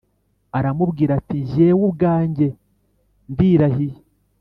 aramubwira ati jyewe ubwanjye ndirahiye